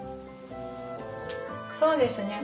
そうですね。